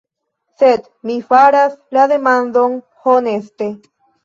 Sed mi faras la demandon honeste.